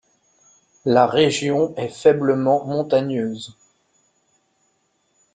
La région est faiblement montagneuse.